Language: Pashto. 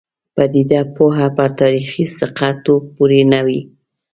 پدیده پوه پر تاریخي ثقه توب پورې نه وي.